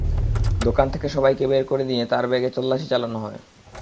দোকান থেকে সবাইকে বের করে দিয়ে তাঁর ব্যাগে তল্লাশি চালানো হয়।